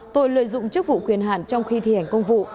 tội lợi dụng chức vụ quyền hạn trong khi thi hành công vụ